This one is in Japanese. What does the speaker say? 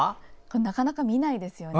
なかなか見ないですよね。